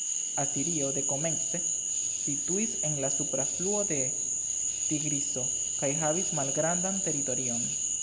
Asirio dekomence situis en la supra fluo de Tigriso kaj havis malgrandan teritorion.